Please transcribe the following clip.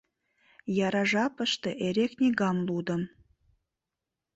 Яра жапыште эре книгам лудым.